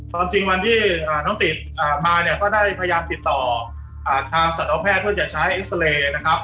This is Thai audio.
จริงวันที่น้องติดมาเนี่ยก็ได้พยายามติดต่อทางสัตวแพทย์เพื่อจะใช้เอ็กซาเรย์นะครับ